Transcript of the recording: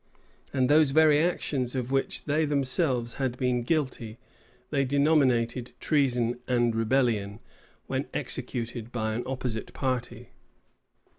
And those very actions of which they themselves had been guilty, they denominated treason and rebellion, when executed by an opposite party.